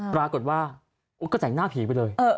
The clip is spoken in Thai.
ปรากฏว่าก็แต่งหน้าผีไปเลย